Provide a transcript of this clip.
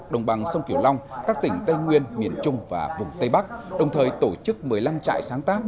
đồng bằng sông kiểu long các tỉnh tây nguyên miền trung và vùng tây bắc đồng thời tổ chức một mươi năm trại sáng tác